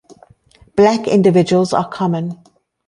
Black individuals are common.